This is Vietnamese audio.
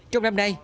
trong năm nay